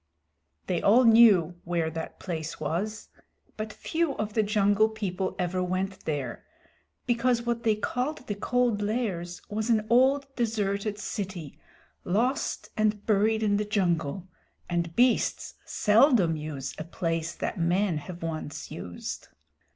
They all knew where that place was, but few of the Jungle People ever went there, because what they called the Cold Lairs was an old deserted city, lost and buried in the jungle, and beasts seldom use a place that men have once used.